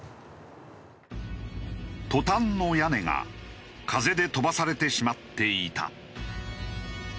トタンの屋根が風で飛ばされてしまっていた。